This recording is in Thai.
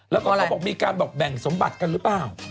แล้วก็เขาบอกมีการบอกแบ่งสมบัติกันหรือเปล่า